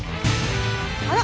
あら！